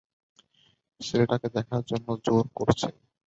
ছেলেটাকে দেখার জন্য জোর করছে।